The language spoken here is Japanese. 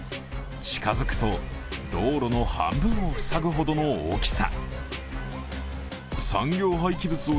近づくと、道路の半分を塞ぐほどの大きさ。